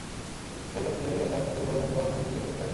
বিয়ে করতে রাস্তা দিয়ে বর চলেছে বাজনা বাজিয়ে, ও ছুটে আসে বারান্দায়।